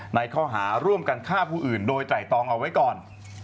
ในข้อหาร่วมกันฆ่าผู้อื่นโดยไตรตองเอาไว้ก่อน